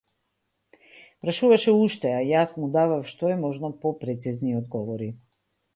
Прашуваше уште, а јас му давав што е можно попрецизни одговори.